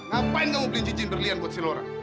ngapain kamu beli cincin berlian buat si lorang